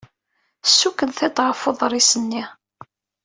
Ssukken tiṭ ɣef uḍris-nni.